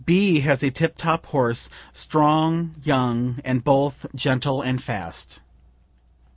B. has a tip top horse, strong, young, and both gentle and fast.